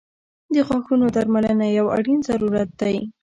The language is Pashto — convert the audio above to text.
• د غاښونو درملنه یو اړین ضرورت دی.